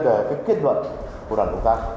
triệt kết luận của đoàn công tác